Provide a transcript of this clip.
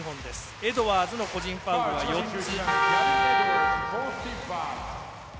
エドワーズの個人ファウルは４つ。